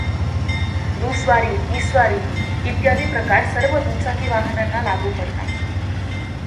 दुस्वारी, तिस्वारी इत्यादी प्रकार सर्व दुचाकी वाहनांना लागू पडतात.